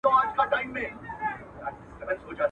پسرلی سو ژمی ولاړی مخ یې تور سو.